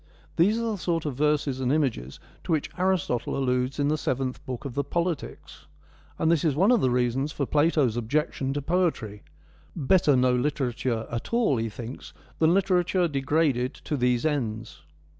These were the sort of verses and images to which Aristotle alludes in the Seventh Book of the Politics ; and this is one of the reasons for Plato's objection to poetry ; better no literature at all, he thinks, than literature degraded to these ends.